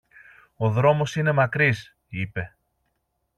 Ο δρόμος είναι μακρύς, είπε.